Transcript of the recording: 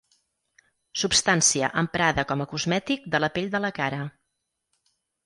Substància emprada com a cosmètic de la pell de la cara.